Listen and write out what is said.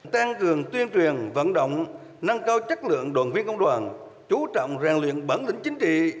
tăng cường tuyên truyền vận động nâng cao chất lượng đoàn viên công đoàn chú trọng ràng luyện bản lĩnh chính trị